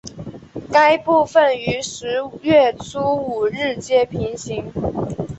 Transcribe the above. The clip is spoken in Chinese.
该部份与十月初五日街平行。